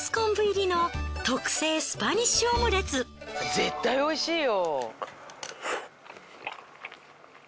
絶対おいしいよ！